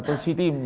tôi suy tim